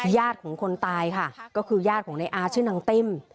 ญาติของคนตายค่ะก็คือญาติของในอาร์ชื่อนางติ้ม